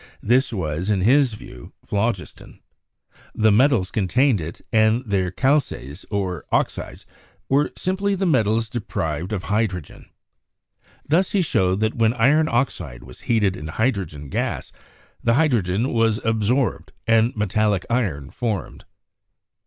This was, in his view, phlogiston. The metals con tained it, and their "calces," or oxides, were simply the metals deprived of hydrogen. Thus, he showed that when iron oxide was heated in hydrogen gas the hydrogen was absorbed and metallic iron formed.